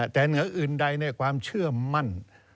แต่เหนืออื่นใดในความเชื่อมั่น